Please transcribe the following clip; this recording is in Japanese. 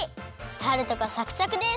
タルトがサクサクです！